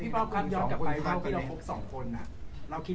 พี่พ่อความยอดกับความรักที่เราพบสองคนน่ะเราคิด